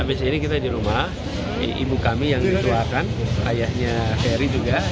habis ini kita di rumah ibu kami yang dituakan ayahnya heri juga